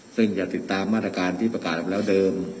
ซึ่งจะติดตามมาตรการที่ประกาศออกมาแล้วเดิม